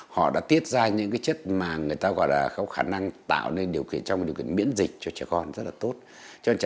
họ đã tiết ra những chất mà người ta gọi là có khả năng tạo nên điều kiện trong điều kiện miễn dịch cho trẻ con rất là tốt